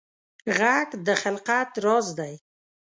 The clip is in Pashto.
غږ د خلقت راز دی